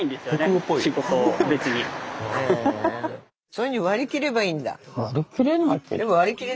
そういうふうに割り切ればいいんだ。